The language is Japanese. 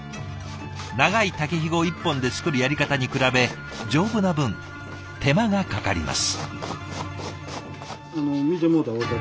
長い竹ひご１本で作るやり方に比べ丈夫な分手間がかかります。